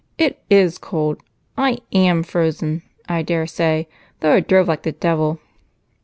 It is cold I am frozen, I daresay though I drove like the devil."